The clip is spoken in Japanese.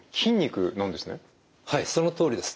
はいそのとおりです。